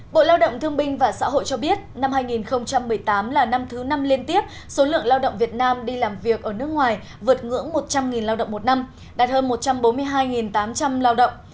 bộ lao động thương binh và xã hội cho biết năm hai nghìn một mươi tám là năm thứ năm liên tiếp số lượng lao động việt nam đi làm việc ở nước ngoài vượt ngưỡng một trăm linh lao động một năm đạt hơn một trăm bốn mươi hai tám trăm linh lao động